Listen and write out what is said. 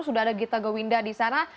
sudah ada gita gowinda di sana